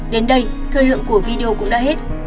đến đây thời lượng của video cũng đã hết